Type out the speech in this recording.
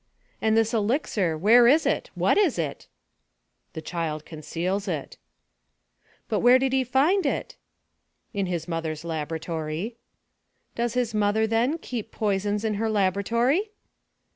"And this elixir, where is it? what is it?" "The child conceals it." "But where did he find it?" "In his mother's laboratory." "Does his mother then, keep poisons in her laboratory?"